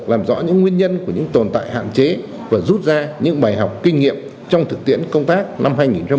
làm rõ những nguyên nhân của những tồn tại hạn chế và rút ra những bài học kinh nghiệm trong thực tiễn công tác năm hai nghìn hai mươi ba